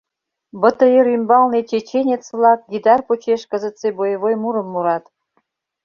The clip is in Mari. БТР ӱмбалне «чеченец-влак» гитар почеш кызытсе боевой мурым мурат.